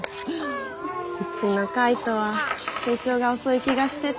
うちの海斗は成長が遅い気がしてて。